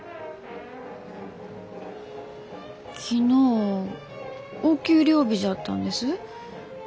昨日お給料日じゃったんです。